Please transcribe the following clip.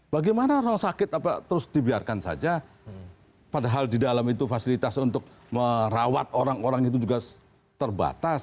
bagaimana rumah sakit terus dibiarkan saja padahal di dalam itu fasilitas untuk merawat orang orang itu juga terbatas